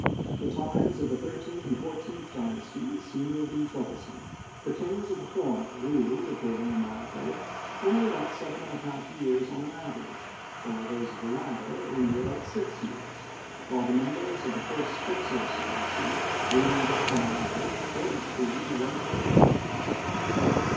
The times of the thirteenth and fourteenth dynasties seem to have been troublesome. The kings of the former ruled, according to Manetho, only about seven and a half years on an average, those of the latter only about six years, while the members of the first Hyksos dynasty ruled on an average forty three and one third years.